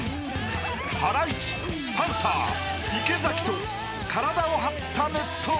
［ハライチパンサー池崎と体を張った熱湯バトル］